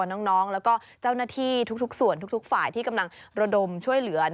น้องแล้วก็เจ้าหน้าที่ทุกส่วนทุกฝ่ายที่กำลังระดมช่วยเหลือ